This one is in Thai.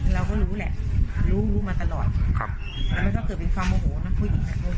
เราก็รู้แหละรู้รู้มาตลอดครับแล้วมันก็เกิดเป็นความโมโหนะผู้หญิงหลายคน